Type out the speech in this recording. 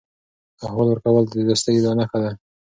احوال ورکول د دوستۍ یوه نښه ده.